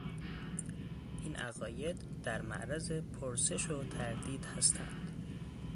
این عقاید در معرض پرسش و تردید هستند.